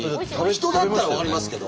人だったら分かりますけど。